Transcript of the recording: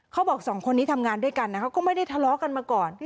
เขาบอกสองคนนี้ทำงานด้วยกันนะเขาก็ไม่ได้ทะเลาะกันมาก่อน